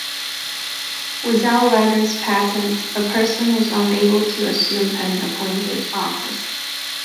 Without letters patent, a person is unable to assume an appointed office.